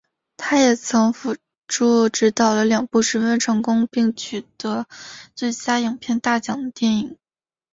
他也曾辅助执导了两部十分成功的并得到最佳影片大奖的电影。